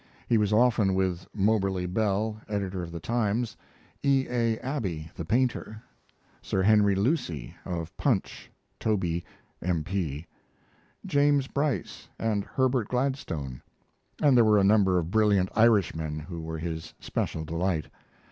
He was often with Moberly Bell, editor of the Times; E. A. Abbey, the painter; Sir Henry Lucy, of Punch (Toby, M.P.); James Bryce, and Herbert Gladstone; and there were a number of brilliant Irishmen who were his special delight.